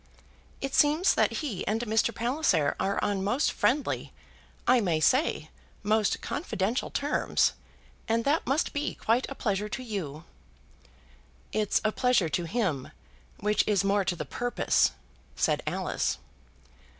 It seems that he and Mr. Palliser are on most friendly, I may say, most confidential terms, and that must be quite a pleasure to you." "It's a pleasure to him, which is more to the purpose," said Alice.